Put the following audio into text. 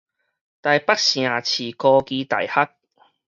臺北城市科技大學